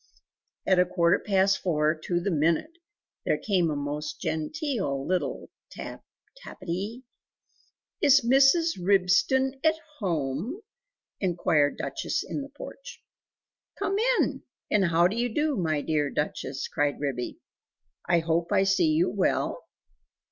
At a quarter past four to the minute, there came a most genteel little tap tappity. "Is Mrs. Ribston at home?" inquired Duchess in the porch. "Come in! and how do you do, my dear Duchess?" cried Ribby. "I hope I see you well?"